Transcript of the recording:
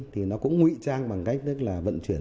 thì nó cũng ngụy trang bằng cách tức là vận chuyển